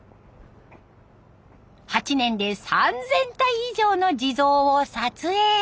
８年で３，０００体以上の地蔵を撮影。